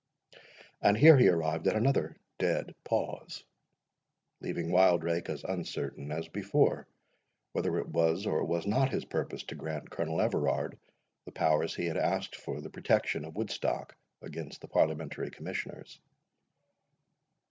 And here he arrived at another dead pause, leaving Wildrake as uncertain as before, whether it was or was not his purpose to grant Colonel Everard the powers he had asked for the protection of Woodstock against the Parliamentary Commissioners.